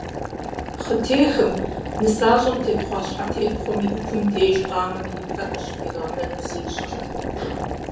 Хъытехым, нысащӀэм тепхъуа щхьэтепхъуэм и кум деж къамэм и пэр къыщыфӀигъэнэну зищӀырт.